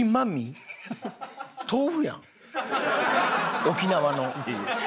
豆腐やん沖縄の。